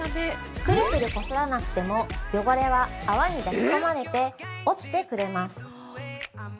くるくるこすらなくても汚れは泡に抱き込まれて落ちてくれます。